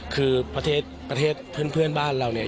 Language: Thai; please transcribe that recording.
คือประเทศเพื่อนบ้านเราเนี่ย